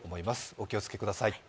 お気を付けください。